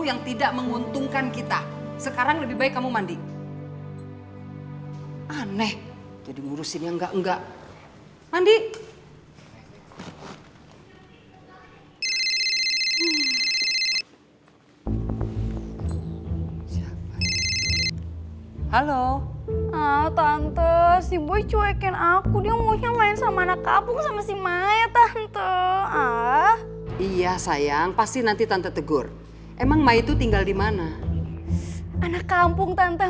kamu kok jawabnya gitu sih